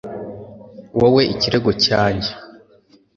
Wowe ikirego cyanjye